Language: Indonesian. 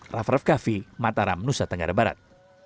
raff raff kaffi mataram nusa tenggara barat